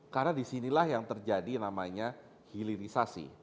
karena disinilah yang terjadi namanya hilirisasi